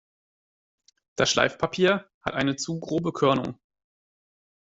Das Schleifpapier hat eine zu grobe Körnung.